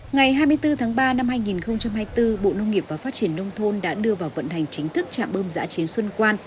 ngày hai mươi bốn tháng ba năm hai nghìn hai mươi bốn bộ nông nghiệp và phát triển nông thôn đã đưa vào vận hành chính thức trạm bơm giã chiến xuân quan